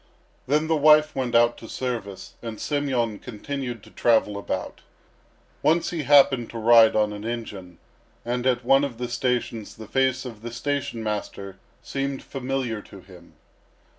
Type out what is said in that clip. Then the wife went out to service, and Semyon continued to travel about. Once he happened to ride on an engine, and at one of the stations the face of the station master seemed familiar to him.